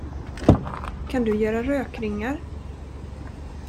Kan du göra rökringar?